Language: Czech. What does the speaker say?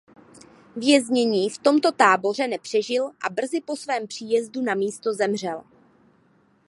Věznění v tomto táboře nepřežil a brzy po svém příjezdu na místo zemřel.